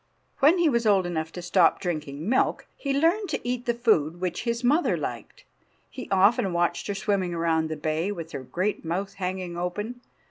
When he was old enough to stop drinking milk he learned to eat the food which his mother liked. He often watched her swimming around the bay, with her great mouth hanging open.